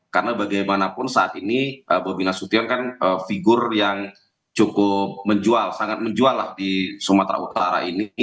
karena bagaimanapun saat ini bobi nasution kan figur yang cukup menjual sangat menjual lah di sumatera utara ini